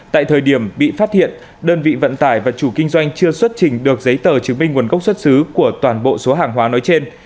tại thời điểm bị phát hiện đơn vị vận tải và chủ kinh doanh chưa xuất trình được giấy tờ chứng minh nguồn gốc xuất xứ của toàn bộ số hàng hóa nói trên